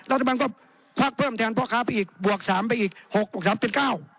รัฐบาลก็ควักเพิ่มแทนพ่อค้าไปอีกบวก๓ไปอีก๖บวก๓เป็น๙